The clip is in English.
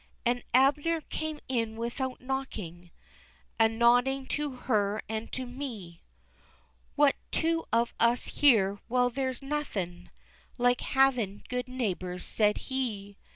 An' Abner came in without knocking, A nodding to her, an' to me, "What, two of us here! well there's nothin' Like havin' good neighbors," said he.